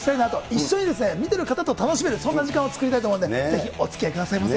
一緒に見てる方と楽しめる、そんな時間を作りたいと思うんで、ぜひおつきあいくださいませ。